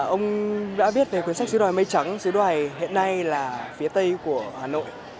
ông đã biết về cuốn sách sứ đoà mây trắng sứ đoài hiện nay là phía tây của hà nội